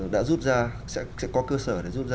đã rút ra sẽ có cơ sở để giúp ra